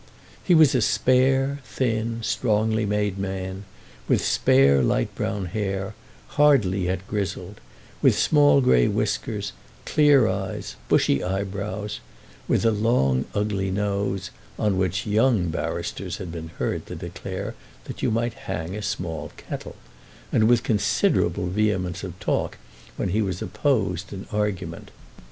He was a spare, thin, strongly made man, with spare light brown hair, hardly yet grizzled, with small grey whiskers, clear eyes, bushy eyebrows, with a long ugly nose, on which young barristers had been heard to declare that you might hang a small kettle, and with considerable vehemence of talk when he was opposed in argument.